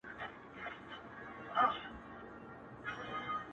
ز ماپر حا ل باندي ژړا مه كوه _